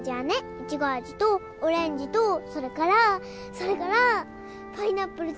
イチゴ味とオレンジとそれからそれからパイナップルと。